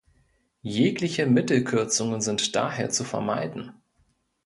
Jegliche Mittelkürzungen sind daher zu vermeiden.